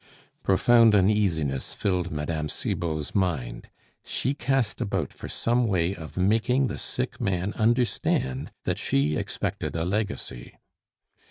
Profound uneasiness filled Mme. Cibot's mind. She cast about for some way of making the sick man understand that she expected a legacy.